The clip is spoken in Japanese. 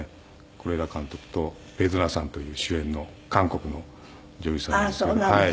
是枝監督とペ・ドゥナさんという主演の韓国の女優さんなんですけど。